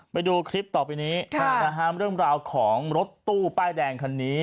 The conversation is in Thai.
ไปดูคลิปต่อไปนี้เรื่องราวของรถตู้ป้ายแดงคันนี้